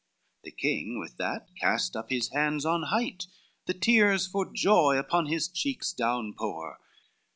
The king with that cast up his hands on height, The tears for joy upon his cheeks down pour.